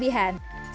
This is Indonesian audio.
ini bukan kelebihan